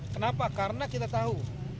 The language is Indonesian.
kenapa karena kita tahu